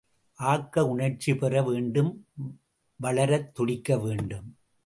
ஆக்க உணர்ச்சி பெற வேண்டும் வளரத் துடிக்க வேண்டும்.